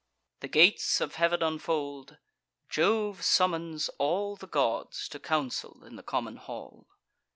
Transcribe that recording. The gates of heav'n unfold: Jove summons all The gods to council in the common hall.